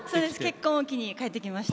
結婚を機に帰って来ました。